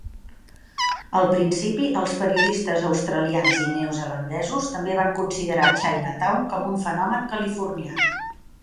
Al principi, els periodistes australians i neozelandesos també van considerar Chinatown com un fenomen californià.